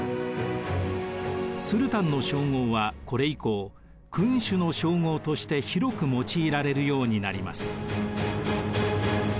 スルタンの称号はこれ以降君主の称号として広く用いられるようになります。